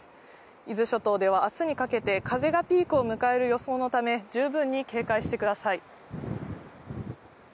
伊豆諸島ではあすにかけて風がピークを迎える予想のため、十分に警戒してください。